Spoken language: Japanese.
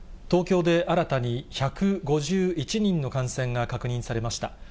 東京で新たに１５１人の感染が確認されました。